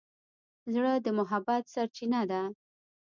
زړه د محبت سرچینه ده.